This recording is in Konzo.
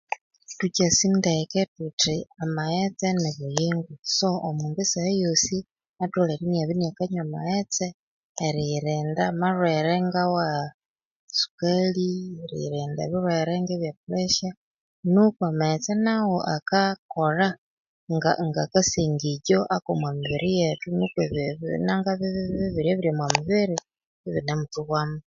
Thukyasi ndeke thuthi amaghetse nibuyingo so omundu saha ghosi atholere iniabya inakanywa amaghetse erighiranda amalhwere ngawa sukali erighiranda abilhwere ngebe puresha nuko amaghetse naghu akakolha nga ngakasengeju ako mumibiriyethu nuko ebibinanga ibibibibibirya ibiri omubiri ibinemuthuhwamo